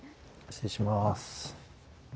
失礼します。